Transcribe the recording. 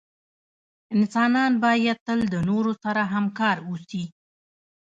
انسانان باید تل دنورو سره همکار اوسې